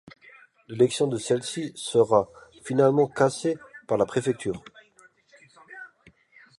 L’élection de celle-ci sera finalement cassée par la préfecture.